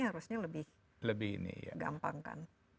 harusnya lebih gampang kan